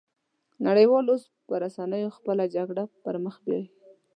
نړۍ وال اوس په رسنيو خپله جګړه پرمخ بيايي